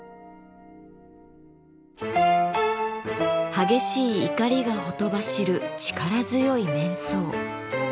激しい怒りがほとばしる力強い面相。